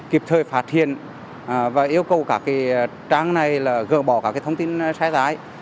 kịp thời phạt thiền và yêu cầu các trang này gỡ bỏ các thông tin sai rái